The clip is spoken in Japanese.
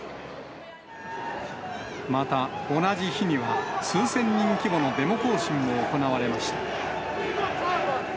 また、同じ日には数千人規模のデモ行進も行われました。